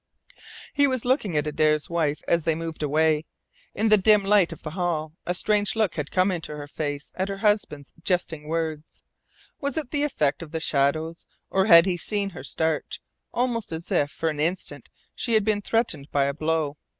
He was looking at Adare's wife as they moved away. In the dim light of the hall a strange look had come into her face at her husband's jesting words. Was it the effect of the shadows, or had he seen her start almost as if for an instant she had been threatened by a blow?